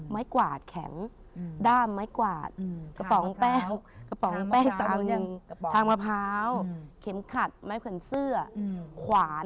ไม้กวาดแข็งด้ามไม้กวาดกระป๋องแป้งทางมะพร้าวเข็มขัดไม้ผลันเสื้อขวาน